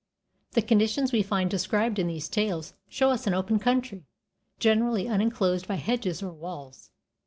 The conditions we find described in these tales show us an open country, generally unenclosed by hedges or walls.